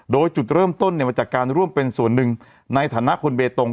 โดยจุดเริ่มต้นมาจากการร่วมเป็นส่วนหนึ่งในฐานะคนเบตง